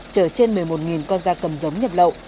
chở trên một mươi một con da cầm giống nhập lậu